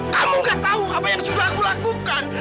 kamu gak tahu apa yang sudah aku lakukan